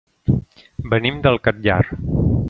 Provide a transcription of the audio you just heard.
Venim del Catllar.